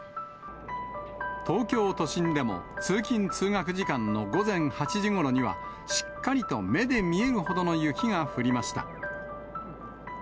東京都心でも通勤・通学時間の午前８時ごろには、しっかりと目で見えるほどの雪が降りました。